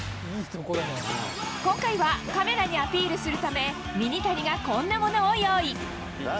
今回はカメラにアピールするため、ミニタニがこんなものを用意。